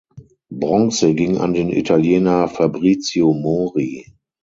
Bronze ging an den Italiener Fabrizio Mori.